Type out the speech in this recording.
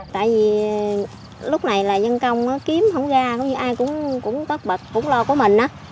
tại vì lúc này là dân công kiếm không ra cũng như ai cũng tóc bật cũng lo của mình á